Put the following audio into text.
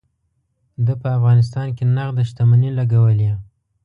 ده په افغانستان کې نغده شتمني لګولې.